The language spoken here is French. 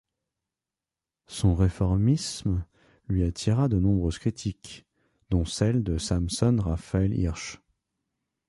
Son réformisme lui attira de nombreuses critiques, dont celles de Samson Raphael Hirsch.